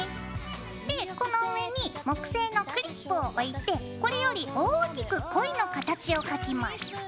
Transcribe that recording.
でこの上に木製のクリップを置いてこれより大きくコイの形を描きます。